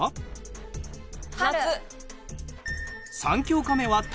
３教科目は体育。